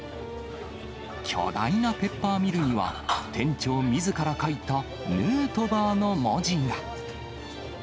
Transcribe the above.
巨大なペッパーミルには、店長みずから書いたヌートバーの文字が。